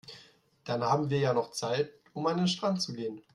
Dann haben wir ja noch Zeit, um an den Strand zu gehen.